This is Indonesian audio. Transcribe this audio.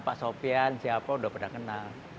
pak sofian siapa udah pernah kenal